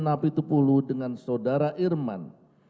napi tupulu dengan saudara irman